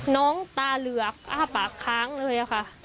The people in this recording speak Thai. น้องตาเหลือกอ้าปากค้างเลยค่ะ